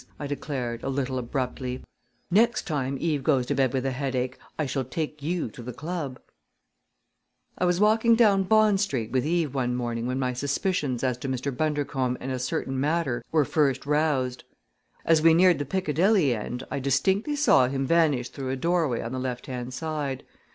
I declared, a little abruptly. "Next time Eve goes to bed with a headache I shall take you to the club." I was walking down Bond Street with Eve one morning when my suspicions as to Mr. Bundercombe and a certain matter were first roused. As we neared the Piccadilly end I distinctly saw him vanish through a doorway on the lefthand side.